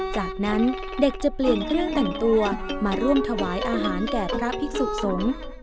จากนั้นเด็กจะเปลี่ยนเครื่องแต่งตัวมาร่วมถวายอาหารแก่พระภิกษุสงฆ์